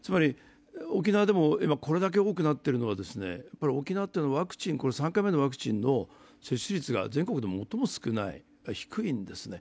沖縄でも今これだけ多くなっているのは、沖縄というのは３回目のワクチンの接種率が全国でも最も低いんですね。